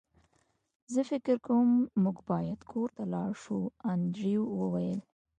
زه فکر کوم موږ باید کور ته لاړ شو انډریو وویل